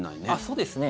そうですね。